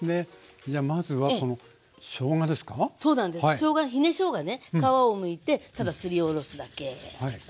しょうがひねしょうがね皮をむいてただすりおろすだけ。